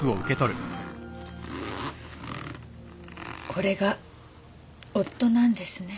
これが夫なんですね。